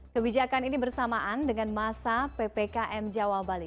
kebijakan ini bersamaan dengan masa ppkm jawa bali